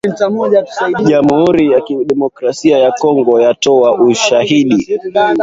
Jamhuri ya kidemokrasia ya Kongo yatoa ‘ushahidi’.